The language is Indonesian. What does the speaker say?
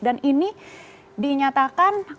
dan ini dinyatakan oleh wto ini sebenarnya